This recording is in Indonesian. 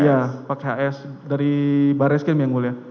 iya pakai hs dari barreskrim yang mulia